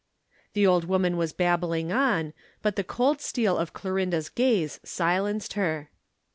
The old woman was babbling on, but the cold steel of Clorinda's gaze silenced her.